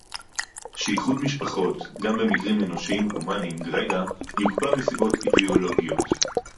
שאיחוד משפחות גם במקרים אנושיים הומניים גרידא יוקפא מסיבות אידיאולוגיות